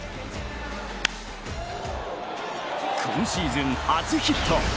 今シーズン初ヒット。